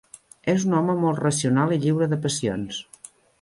És un home molt racional i lliure de passions.